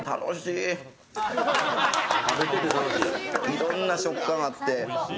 いろんな食感あって。